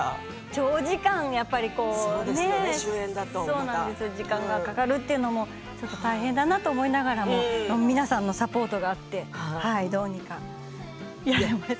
長時間時間がかかるっていうのも大変だなと思いながらも皆さんのサポートがあってどうにかやれました。